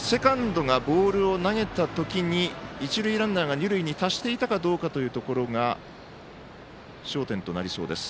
セカンドがボールを投げていた時に一塁ランナーが二塁に達していたかというところが焦点となりそうです。